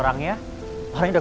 orangnya baru kabur functionnya